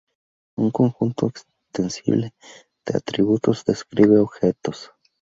Un conjunto extensible de atributos describe objetos.